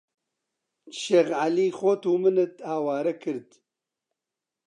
شێخ عەلی خۆت و منت ئاوارە کرد